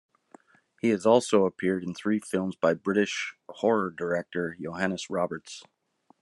He has also appeared in three films by British horror director Johannes Roberts.